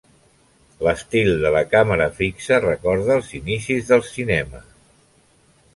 L’estil de la càmera fixa recorda els inicis del cinema.